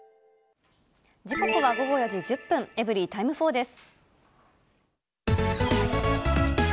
時刻は午後４時１０分、エブリィタイム４です。